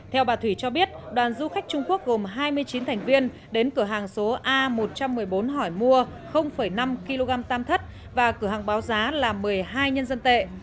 theo bà thủy cho biết đoàn du khách trung quốc gồm hai mươi chín thành viên đến cửa hàng số a một trăm một mươi bốn hỏi mua năm kg tam thất và cửa hàng báo giá là một mươi hai nhân dân tệ